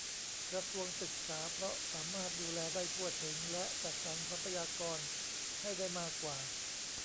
กระทรวงศึกษา เพราะสามารถดูแลได้ทั่วถึง และ จัดสรรทรัพยากรให้ได้มากกว่า